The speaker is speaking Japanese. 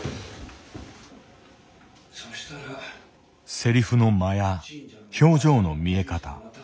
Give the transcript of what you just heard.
せりふの間や表情の見え方。